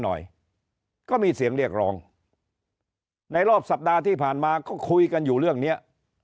หน่อยก็มีเสียงเรียกร้องในรอบสัปดาห์ที่ผ่านมาก็คุยกันอยู่เรื่องเนี้ย